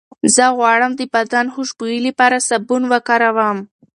زه غواړم د بدن خوشبویۍ لپاره سابون وکاروم.